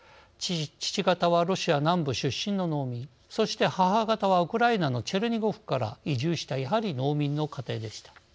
父方はロシア南部出身の農民そして、母方はウクライナのチェルニゴフから移住したやはり農民の家庭でした。